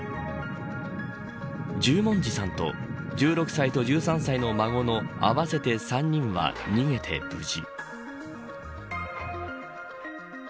十文字さんと１６歳と１３歳の孫の合わせて３人は、逃げて無事。